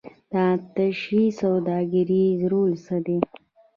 د اتشې سوداګریز رول څه دی؟